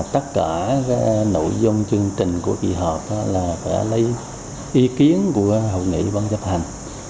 tất cả nội dung chương trình của ủy hợp là phải lấy ý kiến của hội nghị bán chấp hành